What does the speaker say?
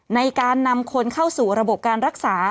ในการนำคนเข้าสู่ระบบการรักษา